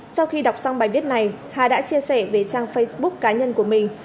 sau khi đọc xong bài viết này hà đã chia sẻ về trang facebook cá nhân của mình